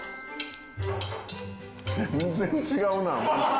全然違うな。